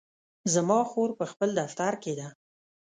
زما خور په خپل دفتر کې ده